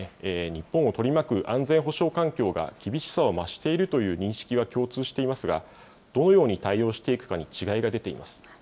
日本を取り巻く安全保障環境が厳しさを増しているという認識は共通していますが、どのように対応していくかに違いが出ています。